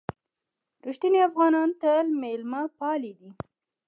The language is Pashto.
رښتیني افغانان تل مېلمه پالي دي.